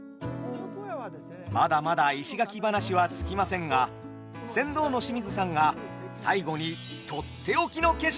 まだまだ石垣話は尽きませんが船頭の清水さんが最後にとっておきの景色を見せてくださいました。